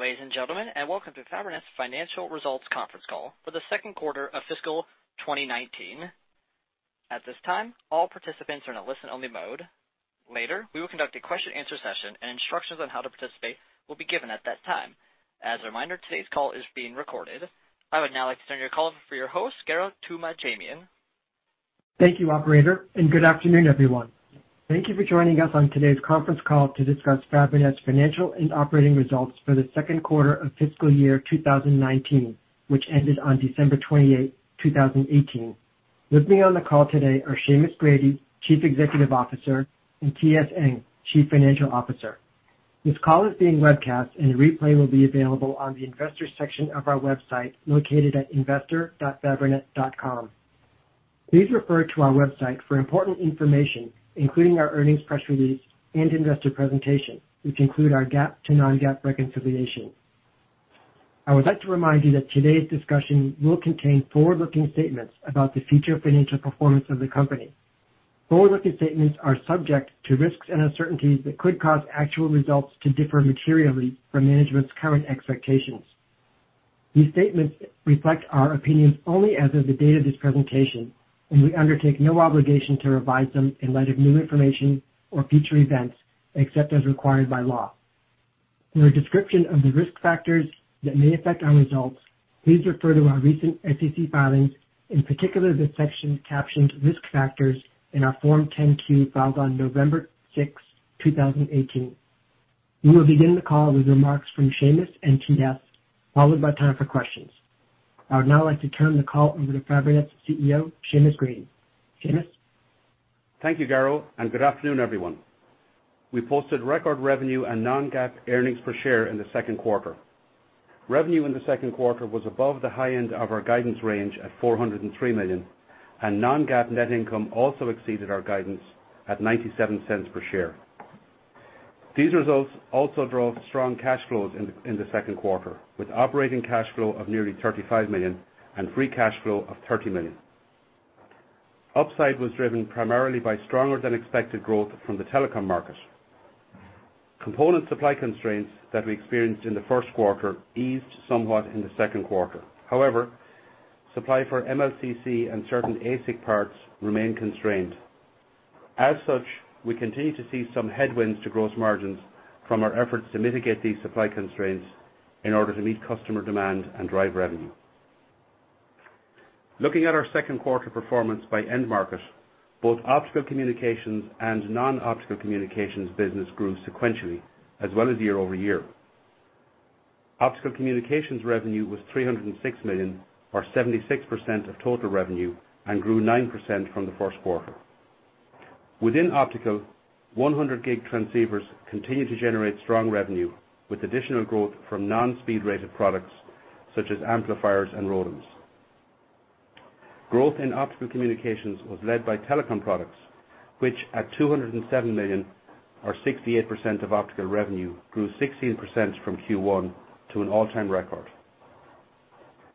Good day, ladies and gentlemen, and welcome to Fabrinet's Financial Results Conference Call for the second quarter of fiscal 2019. At this time, all participants are in a listen-only mode. Later, we will conduct a question-answer session, and instructions on how to participate will be given at that time. As a reminder, today's call is being recorded. I would now like to turn your call over for your host, Garo Toomajanian. Thank you, operator, and good afternoon, everyone. Thank you for joining us on today's conference call to discuss Fabrinet's financial and operating results for the second quarter of fiscal year 2019, which ended on December 28, 2018. With me on the call today are Seamus Grady, Chief Executive Officer, and Toh-Seng Ng, Chief Financial Officer. This call is being webcast, and a replay will be available on the Investors section of our website, located at investor.fabrinet.com. Please refer to our website for important information, including our earnings press release and investor presentation, which include our GAAP to non-GAAP reconciliation. I would like to remind you that today's discussion will contain forward-looking statements about the future financial performance of the company. Forward-looking statements are subject to risks and uncertainties that could cause actual results to differ materially from management's current expectations. These statements reflect our opinions only as of the date of this presentation, and we undertake no obligation to revise them in light of new information or future events, except as required by law. For a description of the risk factors that may affect our results, please refer to our recent SEC filings, in particular the section captioned Risk Factors in our Form 10-Q filed on November sixth, 2018. We will begin the call with remarks from Seamus and TS, followed by time for questions. I would now like to turn the call over to Fabrinet's CEO, Seamus Grady. Seamus? Thank you, Garo, and good afternoon, everyone. We posted record revenue and non-GAAP earnings per share in the second quarter. Revenue in the second quarter was above the high end of our guidance range at $403 million, and non-GAAP net income also exceeded our guidance at $0.97 per share. These results also drove strong cash flows in the second quarter, with operating cash flow of nearly $35 million and free cash flow of $30 million. Upside was driven primarily by stronger than expected growth from the telecom market. Component supply constraints that we experienced in the first quarter eased somewhat in the second quarter. However, supply for MLCC and certain ASIC parts remain constrained. As such, we continue to see some headwinds to gross margins from our efforts to mitigate these supply constraints in order to meet customer demand and drive revenue. Looking at our second quarter performance by end market, both optical communications and non-optical communications business grew sequentially as well as year-over-year. Optical communications revenue was $306 million, or 76% of total revenue, and grew 9% from the first quarter. Within optical, 100G transceivers continue to generate strong revenue, with additional growth from non-speed rated products such as amplifiers and ROADMs. Growth in optical communications was led by telecom products, which at $207 million, or 68% of optical revenue, grew 16% from Q1 to an all-time record.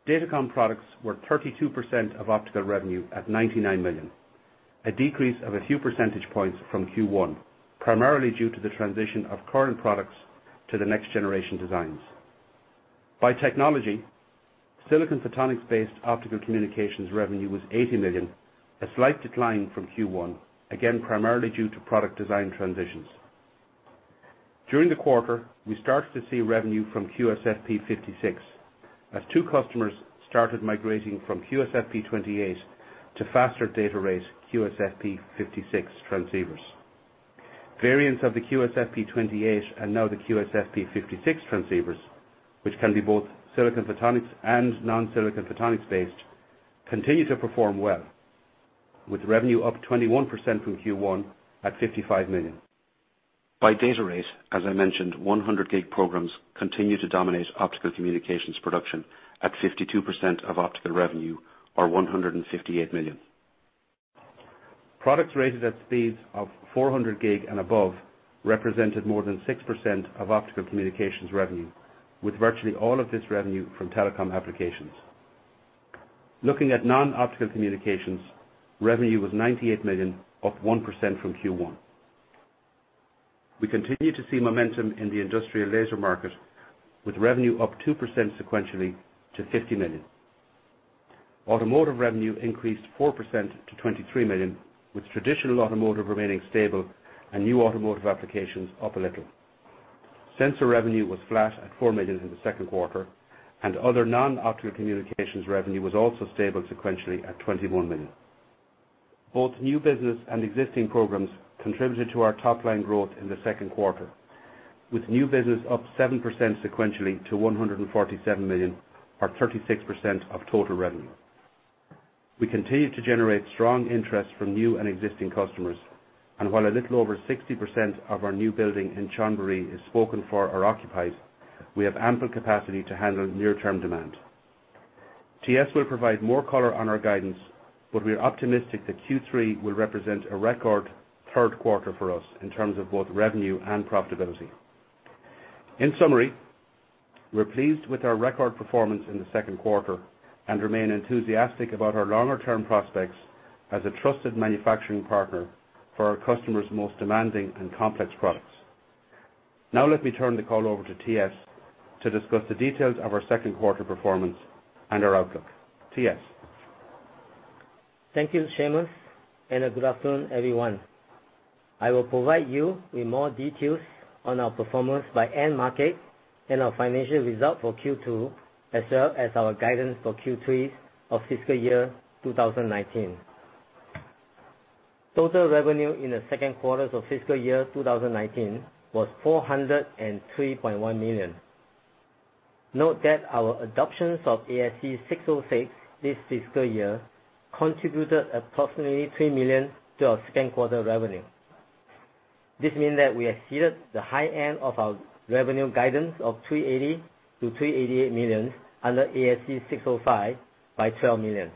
Datacom products were 32% of optical revenue at $99 million, a decrease of a few percentage points from Q1, primarily due to the transition of current products to the next generation designs. By technology, silicon photonics-based optical communications revenue was $80 million, a slight decline from Q1, again, primarily due to product design transitions. During the quarter, we started to see revenue from QSFP56 as two customers started migrating from QSFP28 to faster data rate QSFP56 transceivers. Variants of the QSFP28 are now the QSFP56 transceivers, which can be both silicon photonics and non-silicon photonics-based, continue to perform well, with revenue up 21% from Q1 at $55 million. By data rate, as I mentioned, 100G programs continue to dominate optical communications production at 52% of optical revenue, or $158 million. Products rated at speeds of 400G and above represented more than 6% of optical communications revenue, with virtually all of this revenue from telecom applications. Looking at non-optical communications, revenue was $98 million, up 1% from Q1. We continue to see momentum in the industrial laser market, with revenue up 2% sequentially to $50 million. Automotive revenue increased 4% to $23 million, with traditional automotive remaining stable and new automotive applications up a little. Sensor revenue was flat at $4 million in the second quarter, and other non-optical communications revenue was also stable sequentially at $21 million. Both new business and existing programs contributed to our top-line growth in the second quarter, with new business up 7% sequentially to $147 million, or 36% of total revenue. We continue to generate strong interest from new and existing customers, and while a little over 60% of our new building in Chonburi is spoken for or occupied, we have ample capacity to handle near-term demand. TS will provide more color on our guidance, but we're optimistic that Q3 will represent a record third quarter for us in terms of both revenue and profitability. In summary, we're pleased with our record performance in the second quarter and remain enthusiastic about our longer-term prospects as a trusted manufacturing partner for our customers' most demanding and complex products. Now let me turn the call over to TS to discuss the details of our second quarter performance and our outlook. TS. Thank you, Seamus, and good afternoon, everyone. I will provide you with more details on our performance by end market and our financial results for Q2, as well as our guidance for Q3 of fiscal year 2019. Total revenue in the second quarter of fiscal year 2019 was $403.1 million. Note that our adoption of ASC 606 this fiscal year contributed approximately $3 million to our second quarter revenue. This means that we exceeded the high end of our revenue guidance of $380 million-$388 million under ASC 605 by $12 million.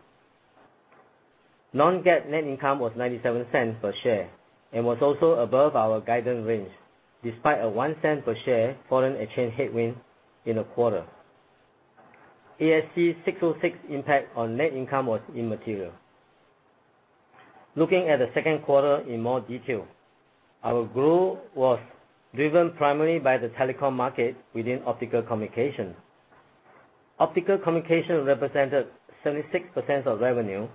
Non-GAAP net income was $0.97 per share and was also above our guidance range, despite a $0.01 per share foreign exchange headwind in the quarter. ASC 606 impact on net income was immaterial. Looking at the second quarter in more detail, our growth was driven primarily by the telecom market within optical communication. Optical communication represented 36% of revenue,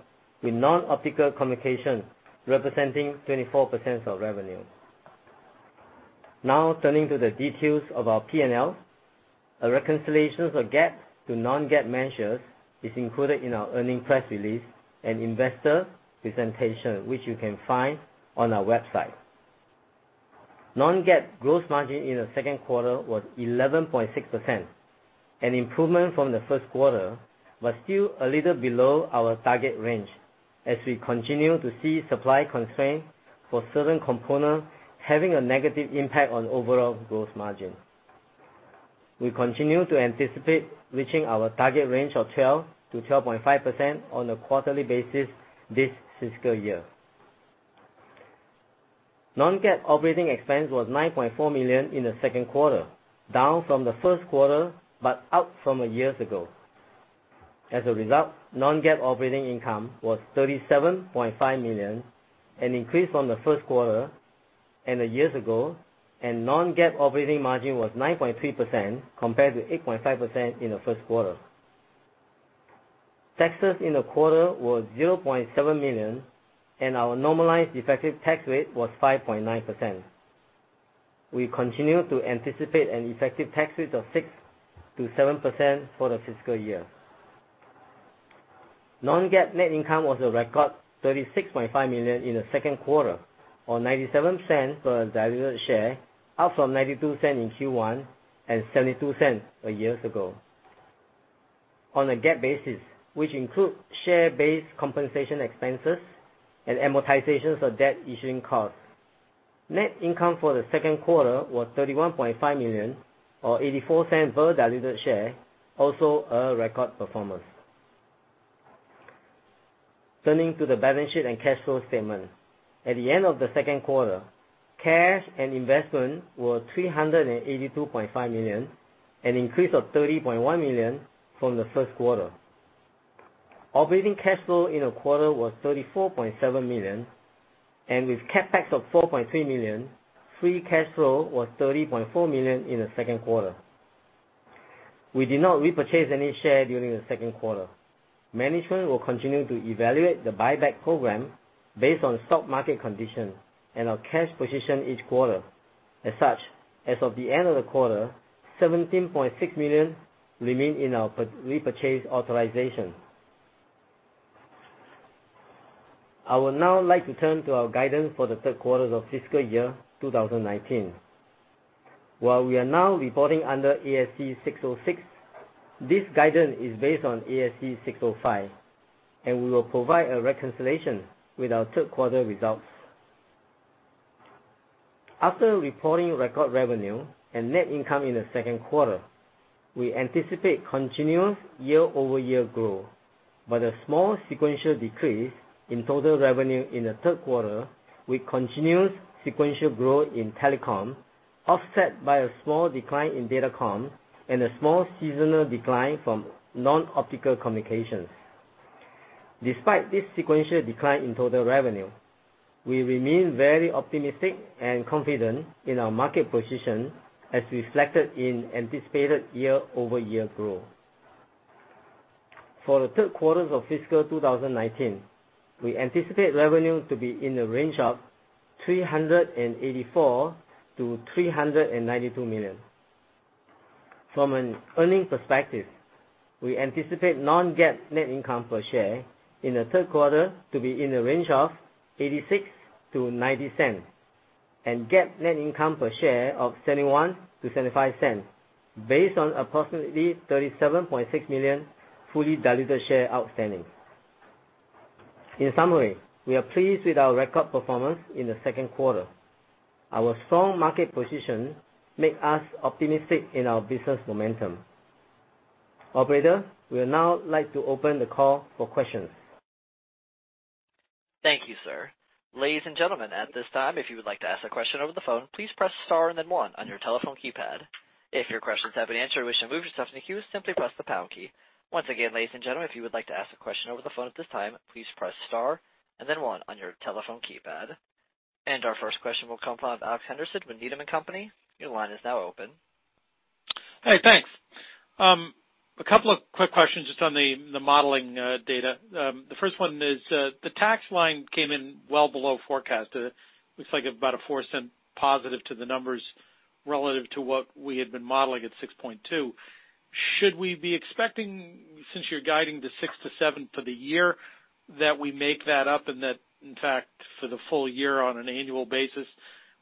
with non-optical communication representing 24% of revenue. Turning to the details of our P&L. A reconciliation of GAAP to non-GAAP measures is included in our earnings press release and investor presentation, which you can find on our website. Non-GAAP gross margin in the second quarter was 11.6%, an improvement from the first quarter, but still a little below our target range as we continue to see supply constraints for certain components having a negative impact on overall gross margin. We continue to anticipate reaching our target range of 12%-12.5% on a quarterly basis this fiscal year. Non-GAAP operating expense was $9.4 million in the second quarter, down from the first quarter but up from a year ago. Non-GAAP operating income was $37.5 million, an increase from the first quarter and a year ago, and non-GAAP operating margin was 9.3% compared to 8.5% in the first quarter. Taxes in the quarter were $0.7 million, and our normalized effective tax rate was 5.9%. We continue to anticipate an effective tax rate of 6%-7% for the fiscal year. Non-GAAP net income was a record $36.5 million in the second quarter, or $0.97 per diluted share, up from $0.92 in Q1 and $0.72 a year ago. On a GAAP basis, which includes share-based compensation expenses and amortization of debt issuing costs, net income for the second quarter was $31.5 million, or $0.84 per diluted share, also a record performance. Turning to the balance sheet and cash flow statement. At the end of the second quarter, cash and investment were $382.5 million, an increase of $30.1 million from the first quarter. Operating cash flow in the quarter was $34.7 million, and with CapEx of $4.3 million, free cash flow was $30.4 million in the second quarter. We did not repurchase any shares during the second quarter. Management will continue to evaluate the buyback program based on stock market conditions and our cash position each quarter. As of the end of the quarter, $17.6 million remain in our repurchase authorization. I would now like to turn to our guidance for the third quarter of fiscal year 2019. While we are now reporting under ASC 606, this guidance is based on ASC 605, and we will provide a reconciliation with our third quarter results. After reporting record revenue and net income in the second quarter, we anticipate continuous year-over-year growth, but a small sequential decrease in total revenue in the third quarter will continue sequential growth in telecom, offset by a small decline in datacom and a small seasonal decline from non-optical communications. Despite this sequential decline in total revenue, we remain very optimistic and confident in our market position as reflected in anticipated year-over-year growth. For the third quarter of fiscal 2019, we anticipate revenue to be in the range of $384 million-$392 million. From an earnings perspective, we anticipate non-GAAP net income per share in the third quarter to be in the range of $0.86-$0.90 and GAAP net income per share of $0.71-$0.75 based on approximately 37.6 million fully diluted shares outstanding. In summary, we are pleased with our record performance in the second quarter. Our strong market position makes us optimistic in our business momentum. Operator, we would now like to open the call for questions. Thank you, sir. Ladies and gentlemen, at this time, if you would like to ask a question over the phone, please press star and then one on your telephone keypad. If your question has been answered or you wish to remove yourself from the queue, simply press the pound key. Once again, ladies and gentlemen, if you would like to ask a question over the phone at this time, please press star and then one on your telephone keypad. Our first question will come from Alex Henderson with Needham & Company. Your line is now open. Hey, thanks. A couple of quick questions just on the modeling data. The first one is the tax line came in well below forecast. It looks like about a $0.04 positive to the numbers relative to what we had been modeling at 6.2%. Should we be expecting, since you're guiding to 6%-7% for the year, that we make that up and that, in fact, for the full year on an annual basis,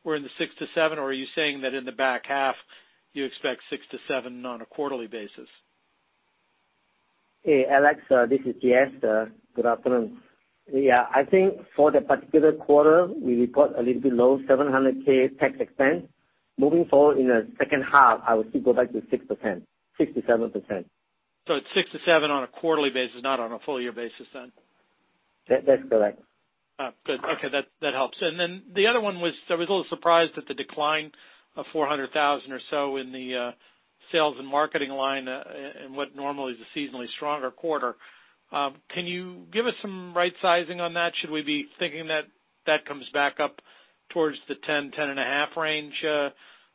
we're in the 6%-7%? Or are you saying that in the back half you expect 6%-7% on a quarterly basis? Hey, Alex, this is TS. Good afternoon. Yeah, I think for that particular quarter, we report a little bit low, $700K tax expense. Moving forward in the second half, I would still go back to 6%. 6%-7%. It's six to seven on a quarterly basis, not on a full year basis then? That's correct. Oh, good. Okay. That helps. The other one was, I was a little surprised at the decline of $400,000 or so in the sales and marketing line in what normally is a seasonally stronger quarter. Can you give us some right sizing on that? Should we be thinking that that comes back up towards the $10 and a half range?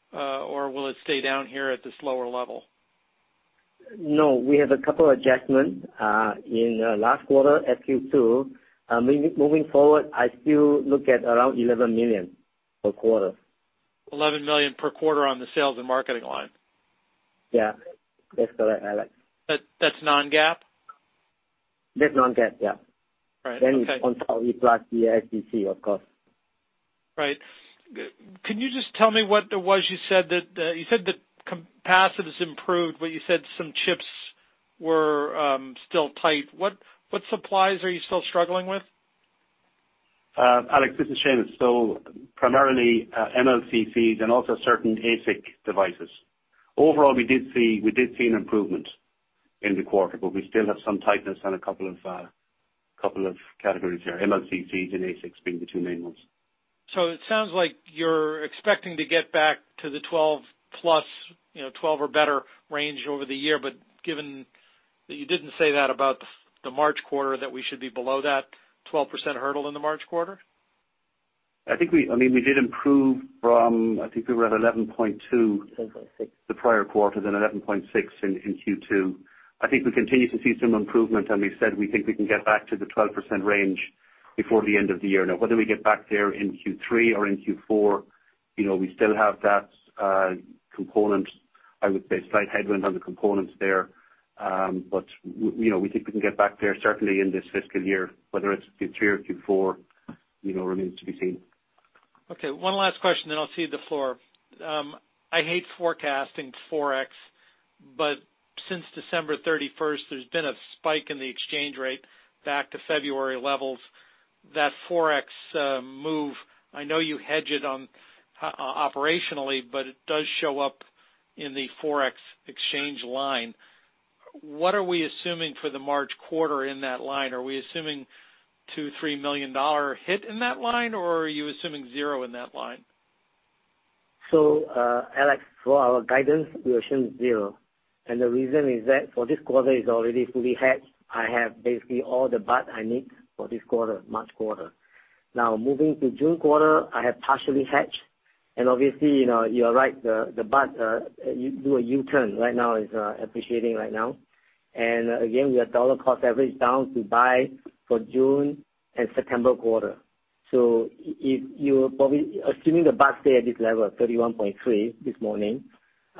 Will it stay down here at this lower level? No, we have a couple adjustments, in the last quarter, FQ2. Moving forward, I still look at around $11 million per quarter. $11 million per quarter on the sales and marketing line. Yeah, that's correct, Alex. That's non-GAAP? That's non-GAAP, yeah. Right. Okay. Then on top is this plus the SEC, of course. Right. Can you just tell me what there was you said that capacities improved, but you said some chips were still tight. What supplies are you still struggling with? Alex, this is Seamus. Primarily, MLCCs and also certain ASIC devices. Overall, we did see an improvement in the quarter, but we still have some tightness on a couple of categories there, MLCCs and ASICs being the two main ones. It sounds like you're expecting to get back to the 12+, 12 or better range over the year. Given that you didn't say that about the March quarter, that we should be below that 12% hurdle in the March quarter? I think we did improve from, I think we were at 11.2. 11.6 The prior quarter, then 11.6 in Q2. I think we continue to see some improvement and we said we think we can get back to the 12% range before the end of the year. Whether we get back there in Q3 or in Q4, we still have that component, I would say slight headwind on the components there. We think we can get back there certainly in this fiscal year, whether it's Q3 or Q4, remains to be seen. One last question, then I'll cede the floor. I hate forecasting Forex, but since December 31st there's been a spike in the exchange rate back to February levels. That Forex move, I know you hedge it operationally, but it does show up in the Forex exchange line. What are we assuming for the March quarter in that line? Are we assuming $2 million or $3 million hit in that line or are you assuming zero in that line? Alex, for our guidance, we assume zero. The reason is that for this quarter is already fully hedged. I have basically all the Baht I need for this quarter, March quarter. Moving to June quarter, I have partially hedged and obviously, you are right, the Baht, do a U-turn right now, is appreciating right now. Again, we are dollar cost average down to buy for June and September quarter. If you're probably assuming the Baht stay at this level, 31.3 this morning,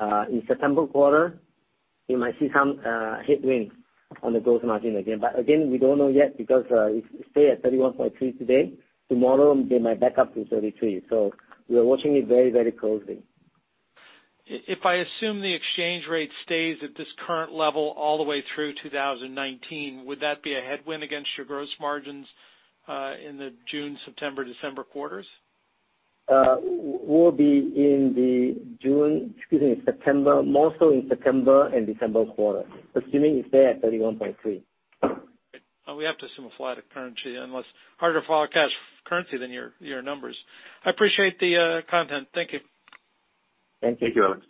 in September quarter, you might see some headwinds on the gross margin again. Again, we don't know yet because if stay at 31.3 today, tomorrow they might back up to 33. We are watching it very closely. If I assume the exchange rate stays at this current level all the way through 2019, would that be a headwind against your gross margins, in the June, September, December quarters? Will be in the June, excuse me, September, more so in September and December quarter, assuming it's there at 31.3. We have to assume a flatter currency unless harder for our currency than your numbers. I appreciate the content. Thank you. Thank you, Alex.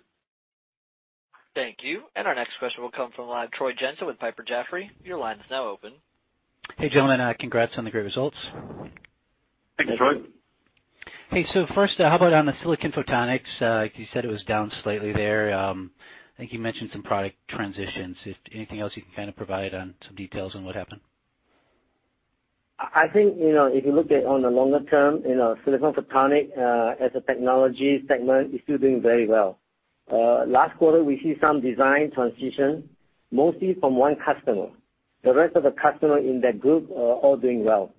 Thank you. Our next question will come from the line of Troy Jensen with Piper Jaffray. Your line is now open. Hey, gentlemen. Congrats on the great results. Thank you, Troy. Thank you. Hey, first, how about on the silicon photonics? You said it was down slightly there. I think you mentioned some product transitions. If anything else you can kind of provide on some details on what happened. I think, if you look at on the longer term in our silicon photonics, as a technology segment, it's still doing very well. Last quarter, we see some design transition mostly from one customer. The rest of the customer in that group are all doing well.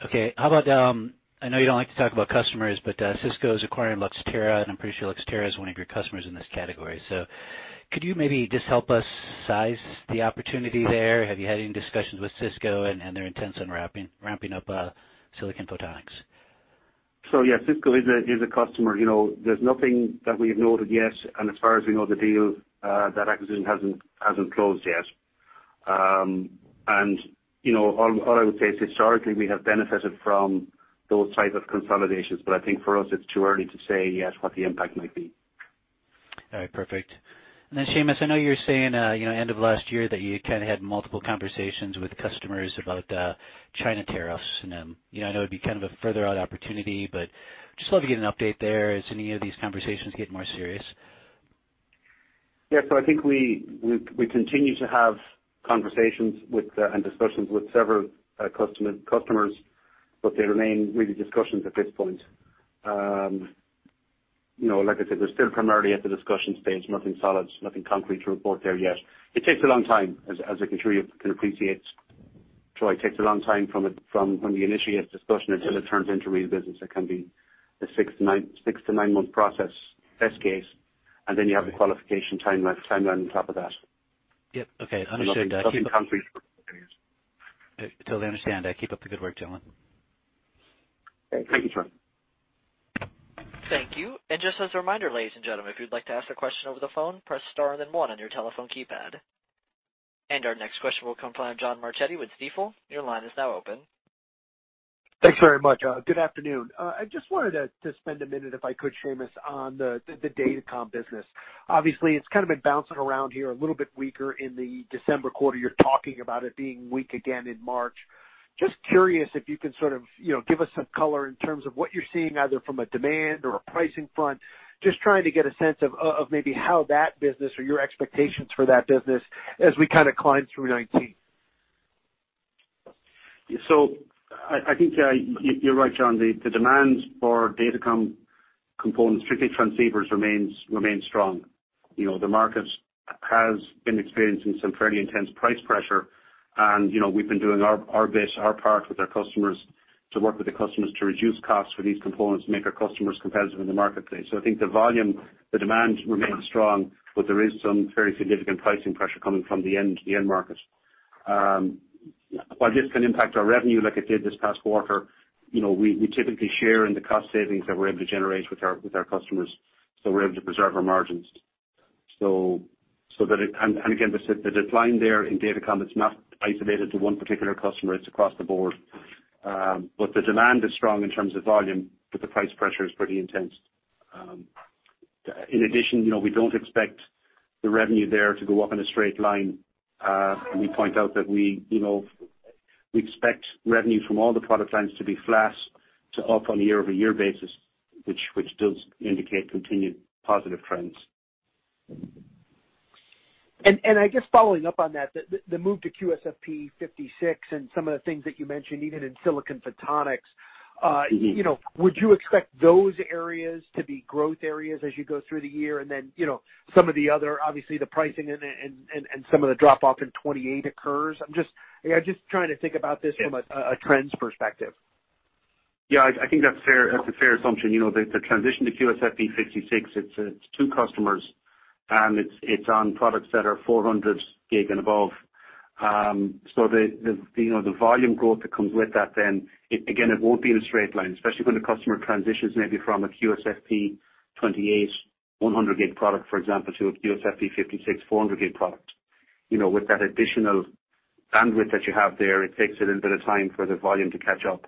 How about, I know you don't like to talk about customers, but Cisco is acquiring Luxtera, and I'm pretty sure Luxtera is one of your customers in this category. Could you maybe just help us size the opportunity there? Have you had any discussions with Cisco and their intents on ramping up silicon photonics? Yeah, Cisco is a customer. There's nothing that we've noted yet, and as far as we know, the deal, that acquisition hasn't closed yet. All I would say is historically we have benefited from those type of consolidations. I think for us it's too early to say yet what the impact might be. All right, perfect. Seamus, I know you're saying, end of last year that you kind of had multiple conversations with customers about China tariffs, and I know it'd be kind of a further out opportunity, but just love to get an update there. Is any of these conversations getting more serious? Yeah. I think we continue to have conversations and discussions with several customers, but they remain really discussions at this point. Like I said, we're still primarily at the discussion stage. Nothing solid, nothing concrete to report there yet. It takes a long time, as I can sure you can appreciate, Troy, it takes a long time from when you initiate the discussion until it turns into real business. It can be a six to nine-month process, best case, and then you have the qualification timeline on top of that. Yep. Okay. Understood. Nothing concrete for a few years. Totally understand. Keep up the good work, gentlemen. Thank you, Troy. Thank you. Just as a reminder, ladies and gentlemen, if you'd like to ask a question over the phone, press star and then one on your telephone keypad. Our next question will come from John Marchetti with Stifel. Your line is now open. Thanks very much. Good afternoon. I just wanted to spend a minute, if I could, Seamus, on the Datacom business. Obviously, it's kind of been bouncing around here, a little bit weaker in the December quarter. You're talking about it being weak again in March. Just curious if you can sort of give us some color in terms of what you're seeing, either from a demand or a pricing front. Just trying to get a sense of maybe how that business or your expectations for that business as we kind of climb through 2019. I think you're right, John. The demand for Datacom components, particularly transceivers, remains strong. The market has been experiencing some fairly intense price pressure. We've been doing our best, our part with our customers, to work with the customers to reduce costs for these components to make our customers competitive in the marketplace. I think the volume, the demand remains strong, but there is some very significant pricing pressure coming from the end market. While this can impact our revenue like it did this past quarter, we typically share in the cost savings that we're able to generate with our customers, so we're able to preserve our margins. Again, the decline there in Datacom, it's not isolated to one particular customer, it's across the board. The demand is strong in terms of volume, but the price pressure is pretty intense. In addition, we don't expect the revenue there to go up in a straight line. We point out that we expect revenue from all the product lines to be flat to up on a year-over-year basis, which does indicate continued positive trends. I guess following up on that, the move to QSFP56 and some of the things that you mentioned, even in silicon photonics. Would you expect those areas to be growth areas as you go through the year and then some of the other, obviously, the pricing and some of the drop-off in QSFP28 occurs? I'm just trying to think about this from a trends perspective. Yeah, I think that's a fair assumption. The transition to QSFP56, it's two customers, and it's on products that are 400G and above. The volume growth that comes with that, then, again, it won't be in a straight line, especially when the customer transitions maybe from a QSFP28 100G product, for example, to a QSFP56 400G product. With that additional bandwidth that you have there, it takes a little bit of time for the volume to catch up.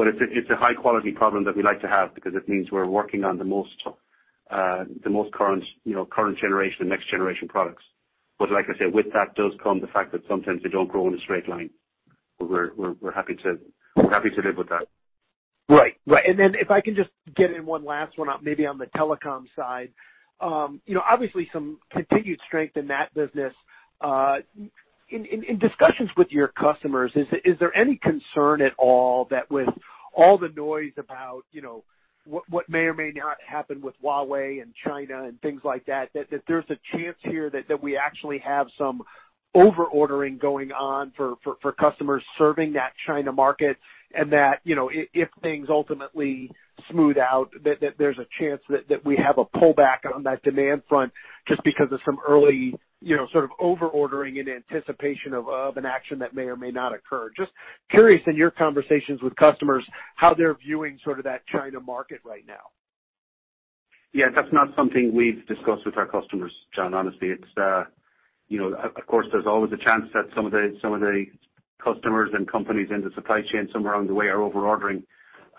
It's a high-quality problem that we like to have because it means we're working on the most current generation and next generation products. Like I said, with that does come the fact that sometimes they don't grow in a straight line. We're happy to live with that. Right. If I can just get in one last one up, maybe on the telecom side. Obviously some continued strength in that business. In discussions with your customers, is there any concern at all that with all the noise about what may or may not happen with Huawei and China and things like that there's a chance here that we actually have some over-ordering going on for customers serving that China market, and that if things ultimately smooth out, that there's a chance that we have a pullback on that demand front just because of some early sort of over-ordering in anticipation of an action that may or may not occur? Just curious in your conversations with customers, how they're viewing sort of that China market right now. Yeah, that's not something we've discussed with our customers, John, honestly. Of course, there's always a chance that some of the customers and companies in the supply chain somewhere along the way are over-ordering.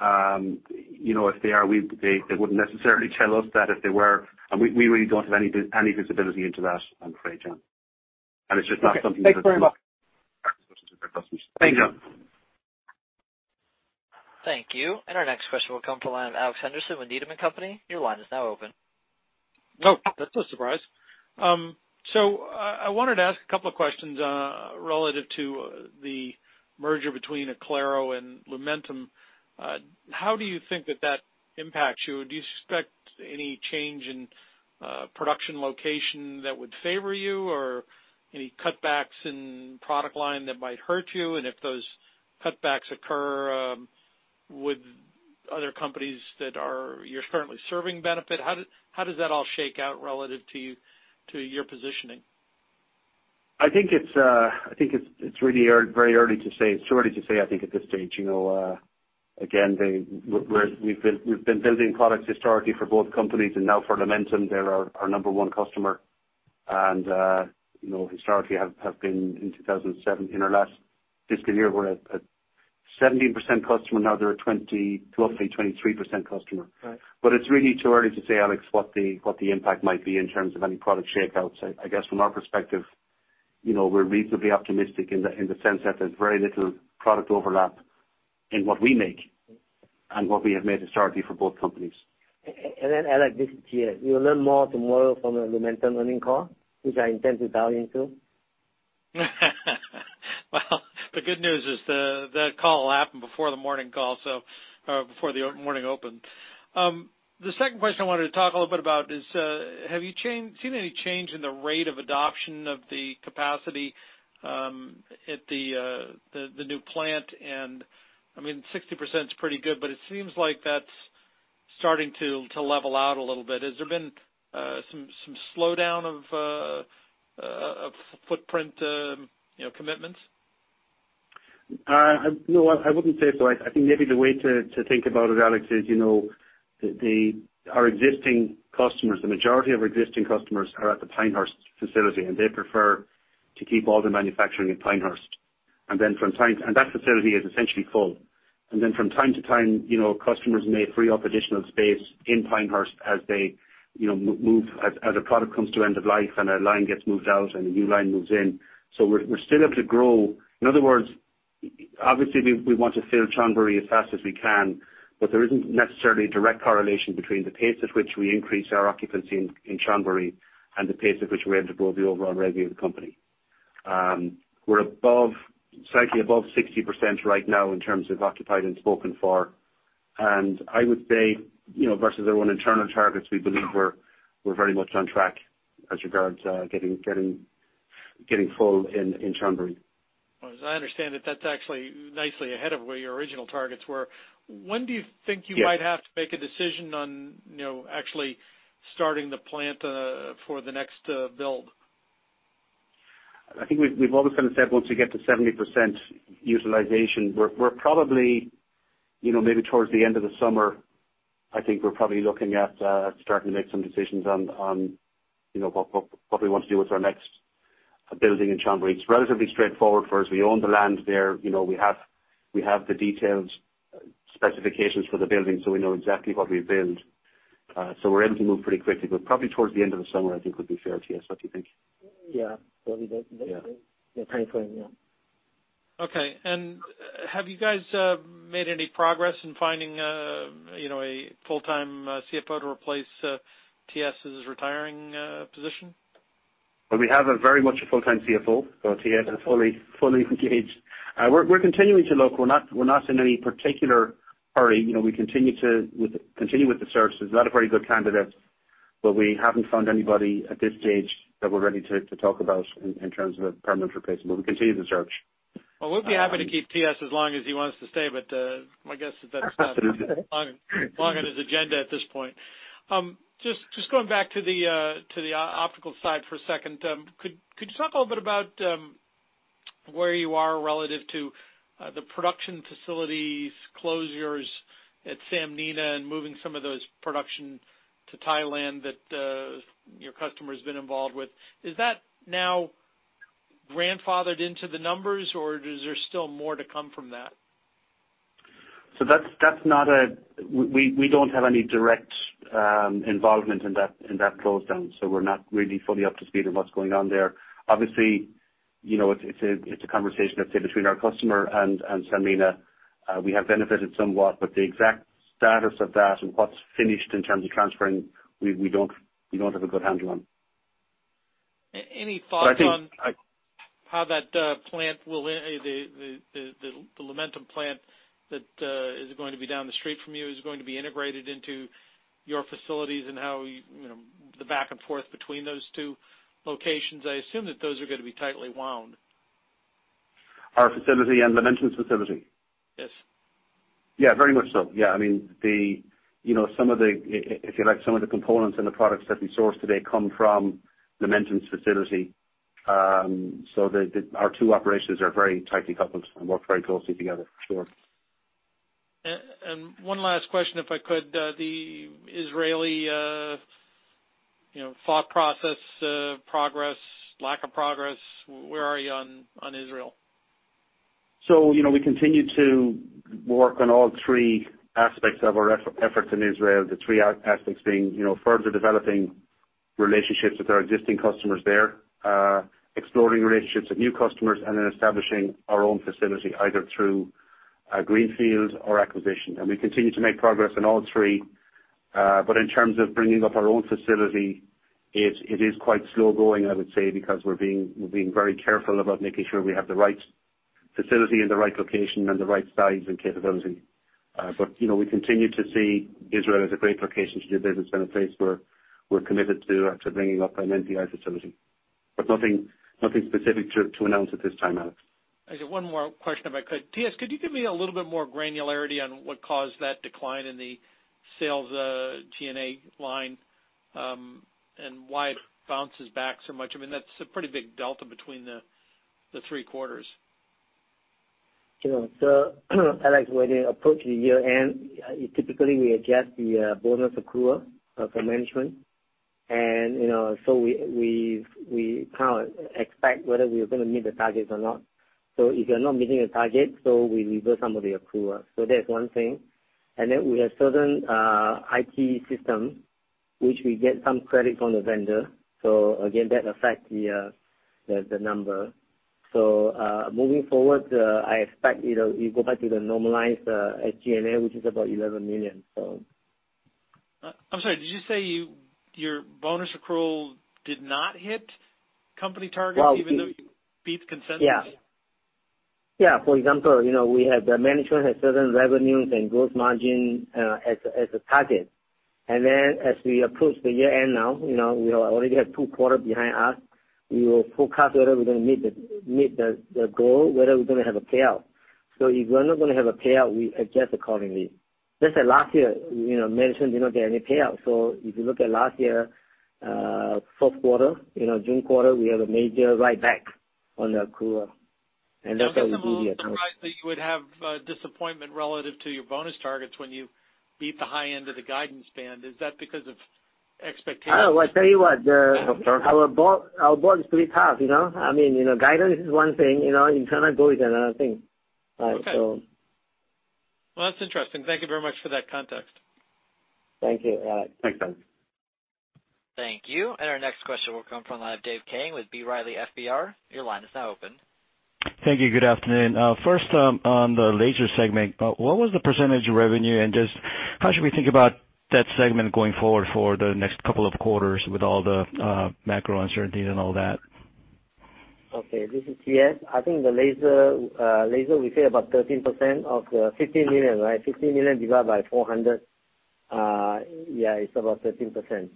If they are, they wouldn't necessarily tell us that if they were, and we really don't have any visibility into that, I'm afraid, John. Okay. Thanks very much. customers. Thank you. Thank you. Our next question will come from the line of Alex Henderson with Needham & Company. Your line is now open. Oh, that's no surprise. I wanted to ask a couple of questions relative to the merger between Oclaro and Lumentum. How do you think that that impacts you? Do you expect any change in production location that would favor you, or any cutbacks in product line that might hurt you? If those cutbacks occur, would other companies that you're currently serving benefit? How does that all shake out relative to your positioning? I think it's really very early to say. It's too early to say, I think, at this stage. Again, we've been building products historically for both companies and now for Lumentum. They're our number 1 customer and historically have been, in 2007. In our last fiscal year, were a 17% customer. Now they're a roughly 23% customer. Right. It's really too early to say, Alex, what the impact might be in terms of any product shakeouts. I guess from our perspective, we're reasonably optimistic in the sense that there's very little product overlap in what we make. What we have made a strategy for both companies. Alex, this is TS. You'll learn more tomorrow from the Lumentum earnings call, which I intend to dial into. Well, the good news is that call will happen before the morning call, so before the morning open. The second question I wanted to talk a little bit about is, have you seen any change in the rate of adoption of the capacity at the new plant? I mean, 60% is pretty good, but it seems like that's starting to level out a little bit. Has there been some slowdown of footprint commitments? No, I wouldn't say so. I think maybe the way to think about it, Alex, is our existing customers, the majority of existing customers are at the Pinehurst facility, and they prefer to keep all the manufacturing at Pinehurst. That facility is essentially full. From time to time, customers may free up additional space in Pinehurst as a product comes to end of life and a line gets moved out and a new line moves in. We're still able to grow. In other words, obviously, we want to fill Chonburi as fast as we can, but there isn't necessarily a direct correlation between the pace at which we increase our occupancy in Chonburi and the pace at which we're able to grow the overall revenue of the company. We're slightly above 60% right now in terms of occupied and spoken for, I would say, versus our own internal targets, we believe we're very much on track as regards getting full in Chonburi. Well, as I understand it, that's actually nicely ahead of where your original targets were. When do you think you might have to make a decision on actually starting the plant for the next build? I think we've always kind of said once we get to 70% utilization. We're probably maybe towards the end of the summer, I think we're probably looking at starting to make some decisions on what we want to do with our next building in Chonburi. It's relatively straightforward for us. We own the land there. We have the detailed specifications for the building, so we know exactly what we build. We're able to move pretty quickly. Probably towards the end of the summer, I think would be fair, TS, what do you think? Yeah. Probably that timeframe, yeah. Okay. Have you guys made any progress in finding a full-time CFO to replace TS' retiring position? Well, we have a very much full-time CFO. TS is fully engaged. We're continuing to look. We're not in any particular hurry. We continue with the search. There's a lot of very good candidates, we haven't found anybody at this stage that we're ready to talk about in terms of a permanent replacement. We continue the search. Well, we'll be happy to keep TS as long as he wants to stay, my guess is that's not long on his agenda at this point. Just going back to the optical side for a second. Could you talk a little bit about where you are relative to the production facilities closures at Sanmina and moving some of those production to Thailand that your customer's been involved with? Is that now grandfathered into the numbers, or is there still more to come from that? We don't have any direct involvement in that close down. We're not really fully up to speed on what's going on there. Obviously, it's a conversation, let's say, between our customer and Sanmina. We have benefited somewhat, the exact status of that and what's finished in terms of transferring, we don't have a good handle on. Any thoughts on how that Lumentum plant that is going to be down the street from you is going to be integrated into your facilities, and how the back and forth between those two locations? I assume that those are going to be tightly wound. Our facility and Lumentum's facility? Yes. Yeah, very much so. Yeah. If you like, some of the components and the products that we source today come from Lumentum's facility. Our two operations are very tightly coupled and work very closely together for sure. One last question, if I could. The Israeli thought process, progress, lack of progress, where are you on Israel? We continue to work on all three aspects of our efforts in Israel. The three aspects being further developing relationships with our existing customers there, exploring relationships with new customers, and then establishing our own facility either through a greenfield or acquisition. We continue to make progress on all three. In terms of bringing up our own facility, it is quite slow going, I would say, because we're being very careful about making sure we have the right facility and the right location and the right size and capability. We continue to see Israel as a great location to do business and a place where we're committed to actually bringing up an NPI facility. Nothing specific to announce at this time, Alex. I just have one more question if I could. TS, could you give me a little bit more granularity on what caused that decline in the SG&A line, and why it bounces back so much? I mean, that's a pretty big delta between the three quarters. Sure. Alex, when you approach the year-end, typically we adjust the bonus accrual for management. We kind of expect whether we are going to meet the targets or not. If you're not meeting the target, so we reverse some of the accruals. That's one thing. Then we have certain IT systems which we get some credit from the vendor. Again, that affects the number. Moving forward, I expect it'll go back to the normalized SG&A, which is about $11 million. I'm sorry, did you say your bonus accrual did not hit company targets even though you beat consensus? Yeah. For example, the management had certain revenues and gross margin as a target. As we approach the year-end now, we already have two quarters behind us, we will forecast whether we're going to meet the goal, whether we're going to have a payout. If we're not going to have a payout, we adjust accordingly. Just like last year, management did not get any payout. If you look at last year, fourth quarter, June quarter, we had a major write-back on the accrual, and that's what we do here. Does that surprise that you would have disappointment relative to your bonus targets when you beat the high end of the guidance band? Is that because of expectations? I tell you what. Our board is pretty tough. Guidance is one thing, internal goal is another thing. Okay. Well, that's interesting. Thank you very much for that context. Thank you. All right. Thanks, Alex. Thank you. Our next question will come from the line of Dave Kang with B. Riley FBR. Your line is now open. Thank you. Good afternoon. First, on the laser segment, what was the percentage of revenue and just how should we think about that segment going forward for the next couple of quarters with all the macro uncertainties and all that? Okay, this is TS. I think the laser we say about 13% of the $15 million, right? $15 million divided by 400. Yeah, it's about 13%.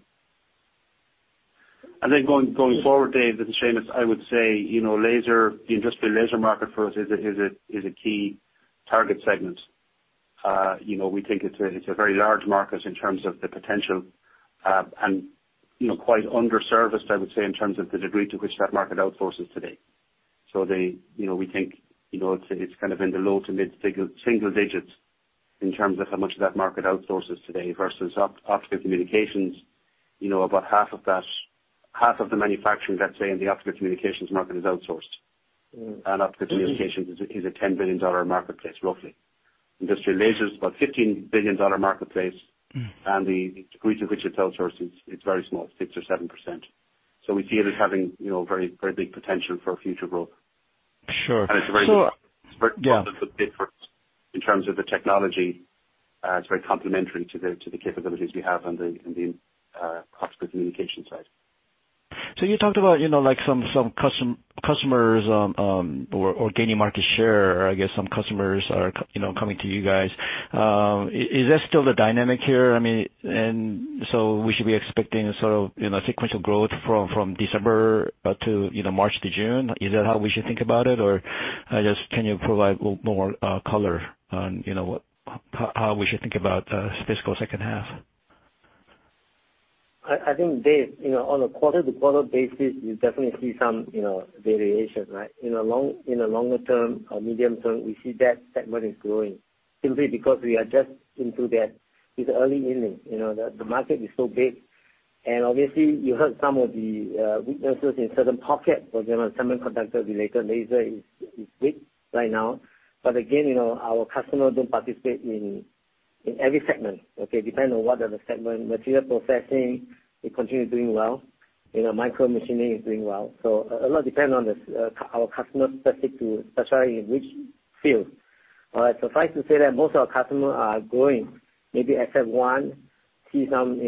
Going forward, Dave, this is Seamus. I would say the industrial laser market for us is a key target segment. We think it's a very large market in terms of the potential, and quite underserviced, I would say, in terms of the degree to which that market outsources today. We think it's kind of in the low to mid-single digits in terms of how much of that market outsources today versus optical communications. About half of the manufacturing, let's say, in the optical communications market is outsourced. Optical communications is a $10 billion marketplace, roughly. Industrial laser is about a $15 billion marketplace, and the degree to which it's outsourced is very small, 6% or 7%. We see it as having very big potential for future growth. Sure. And it's a very- Yeah. -different in terms of the technology. It's very complementary to the capabilities we have on the optical communication side. You talked about some customers or gaining market share. I guess some customers are coming to you guys. Is that still the dynamic here? We should be expecting sequential growth from December to March to June. Is that how we should think about it? Just can you provide more color on how we should think about fiscal second half? I think, Dave, on a quarter-to-quarter basis, you definitely see some variation, right? In the longer term or medium term, we see that segment is growing simply because we are just into that. It's early innings. The market is so big. Obviously you heard some of the weaknesses in certain pockets. For example, semiconductor-related laser is weak right now. Again, our customers don't participate in every segment, okay? Depends on what are the segment. Material processing, we continue doing well, micromachining is doing well. A lot depend on our customer-specific to specialize in which field. Suffice to say that most of our customers are growing, maybe except one see some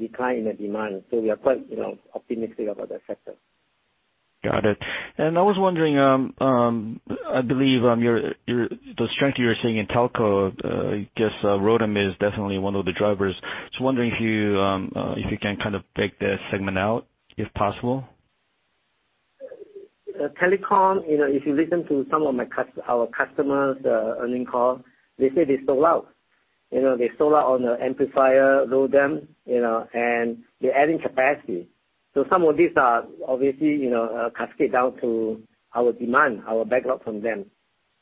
decline in the demand. We are quite optimistic about that sector. Got it. I was wondering, I believe, the strength you're seeing in telco, I guess ROADM is definitely one of the drivers. Wondering if you can kind of break that segment out if possible. Telecom, if you listen to some of our customers' earning calls, they say they sold out. They sold out on the amplifier, ROADM, and they're adding capacity. Some of these are obviously cascade down to our demand, our backlog from them.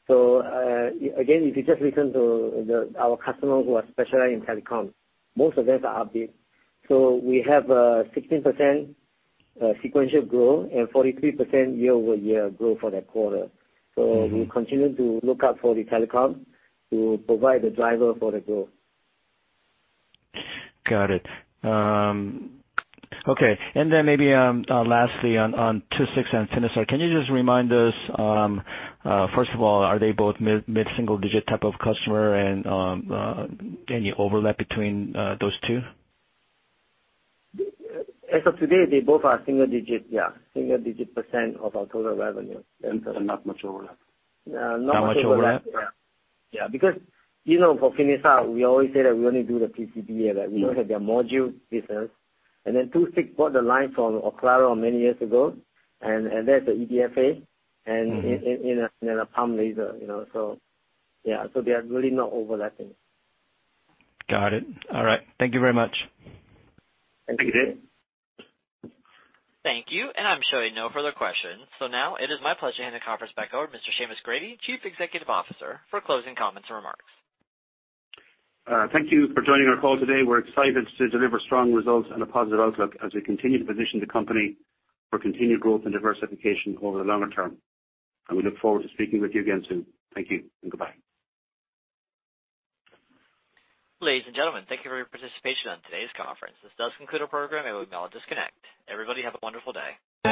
Again, if you just listen to our customers who are specialized in telecom, most of them are upbeat. We have a 16% sequential growth and 43% year-over-year growth for that quarter. We continue to look out for the telecom to provide the driver for the growth. Got it. Okay. Then maybe, lastly on II-VI and Finisar, can you just remind us, first of all, are they both mid-single digit type of customer and any overlap between those two? As of today, they both are single digit, yeah. Single-digit % of our total revenue. Not much overlap. Not much overlap. Not much overlap? Yeah, because for Finisar, we always say that we only do the PCB, that we don't have their module business. Then II-VI bought the line from Oclaro many years ago, and that's the EDFA and a pump laser. Yeah, they are really not overlapping. Got it. All right. Thank you very much. Thank you, Dave. Thank you. I'm showing no further questions. Now it is my pleasure to hand the conference back over to Mr. Seamus Grady, Chief Executive Officer, for closing comments and remarks. Thank you for joining our call today. We're excited to deliver strong results and a positive outlook as we continue to position the company for continued growth and diversification over the longer term. We look forward to speaking with you again soon. Thank you and goodbye. Ladies and gentlemen, thank you for your participation on today's conference. This does conclude our program, and we may all disconnect. Everybody, have a wonderful day.